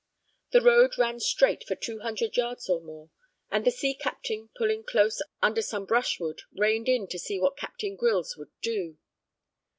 The road ran straight for two hundred yards or more, and the sea captain, pulling close under some brushwood, reined in to see what Captain Grylls would do.